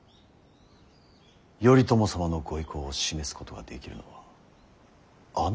頼朝様のご威光を示すことができるのはあなただけだ。